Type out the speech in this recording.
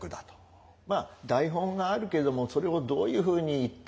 まあ台本があるけれどもそれをどういうふうに言ったり。